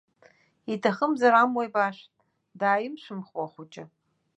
Иҭахымзар амуеи баашәт, дааимшәымхуа ахәыҷы.